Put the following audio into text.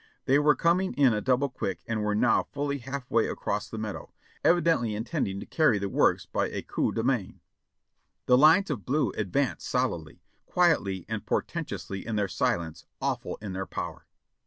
They were coming in a double quick and were now fully half way across the meadow, evidently intending to carry the works by a coup de main. The lines of blue advanced solidly, quietly and portentously in their silence, awful in their power.